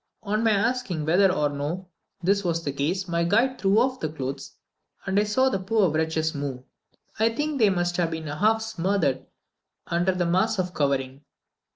On my asking whether or no this was the case, my guide threw off the clothes, and I saw the poor wretches move. I think they must have been half smothered under the mass of covering.